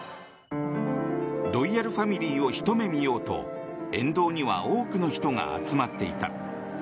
ロイヤルファミリーをひと目見ようと沿道には多くの人が集まっていた。